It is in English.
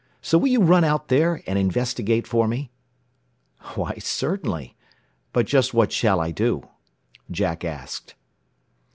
So will you run out there and investigate for me?" "Why, certainly. But just what shall I do?" Jack asked.